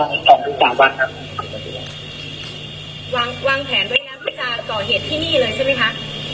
วางแผนโดยงานพุทธศาสตร์ก่อเหตุที่นี่เลยใช่ไหมคะ